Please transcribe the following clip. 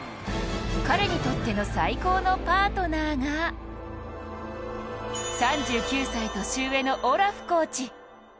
彼にとっての最高のパートナーが３９歳年上のオラフコーチ。